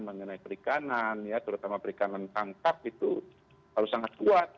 mengenai perikanan ya terutama perikanan tangkap itu harus sangat kuat